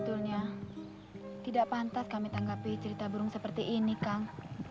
sebetulnya tidak pantas kami tanggapi cerita burung seperti ini kang